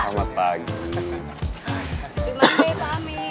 selamat pagi pak amir